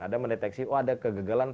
ada mendeteksi oh ada kegagalan